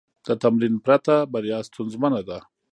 د تمرین پرته، بریا ستونزمنه ده.